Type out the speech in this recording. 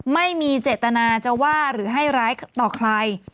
ไม่มีเจตนาจะว่าหรือให้ร้ายต่อใคร